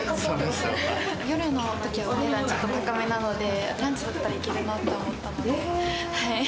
夜のときはお値段ちょっと高めなので、ランチだったら行けるなと思ったので。